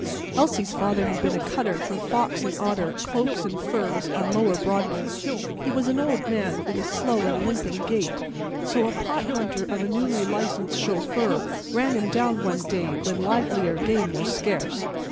Elsie's father had been a cutter for Fox & Otter, cloaks and furs, on lower Broadway. He was an old man, with a slow and limping gait, so a pot hunter of a newly licensed chauffeur ran him down one day when livelier game was scarce.